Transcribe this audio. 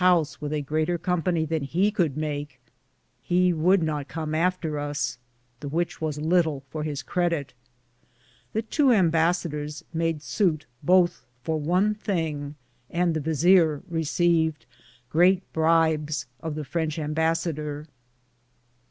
8 1 greater company than he could make, he would not com after us, the which was litle for his credditt The 2 im bassaders made sute bothe for one thinge, and the vizear recaved great bribes of the Franche imbassader.